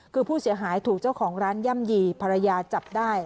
คือผู้เสียหายถูกเจ้าของร้านย่ำยี่ภรรยาจับได้